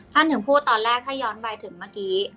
ถึงพูดตอนแรกถ้าย้อนไปถึงเมื่อกี้